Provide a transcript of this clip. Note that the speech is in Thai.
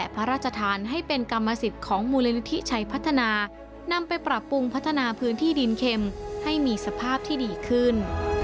พระราชทานให้เป็นกรรมสิทธิ์ของมูลนิธิชัยพัฒนานำไปปรับปรุงพัฒนาพื้นที่ดินเข็มให้มีสภาพที่ดีขึ้น